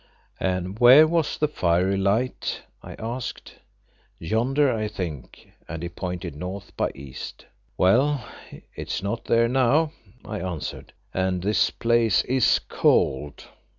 "And where was the fiery light?" I asked. "Yonder, I think;" and he pointed north by east. "Well, it is not there now," I answered, "and this place is cold."